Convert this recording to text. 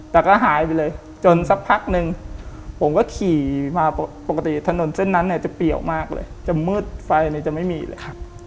แต่ก็หายไปเลยจนสักพักนึงผมก็ขี่มาปกติทะนนท์เส้นนั้นค่อนข้างจะเปรียวมากเลยจะมืดไฟจะไม่มีเลย